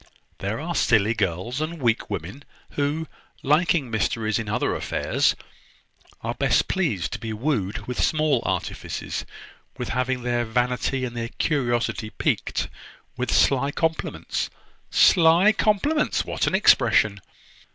There are silly girls, and weak women, who, liking mysteries in other affairs, are best pleased to be wooed with small artifices; with having their vanity and their curiosity piqued with sly compliments " "Sly compliments! What an expression!"